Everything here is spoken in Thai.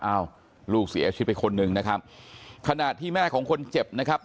อายุ๑๐ปีนะฮะเขาบอกว่าเขาก็เห็นถูกยิงนะครับ